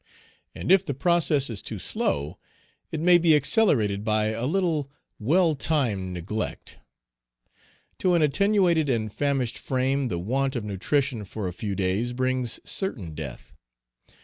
And if the process is too slow, it may be accelerated by a little well timed neglect. To an attenuated and famished frame, the want of nutrition for a few days brings certain death.